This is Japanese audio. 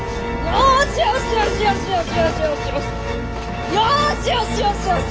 よしよしよしよしよし！